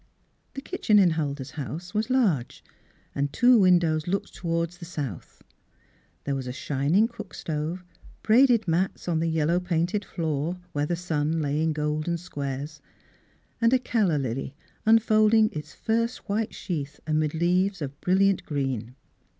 The kitchen in Huldah's house was large and two windows looked toward the south. There was a shining cook stove, braided Miss Philura's Wedding Gown mats on the yellow painted floor, where the sun lay in golden squares, and a calla lily unfolding its first white sheath amid leaves of brilliant green.